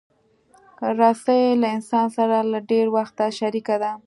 رسۍ له انسان سره له ډېر وخته شریکه ده.